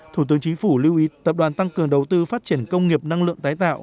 thủ tướng chính phủ lưu ý tập đoàn tăng cường đầu tư phát triển công nghiệp năng lượng tái tạo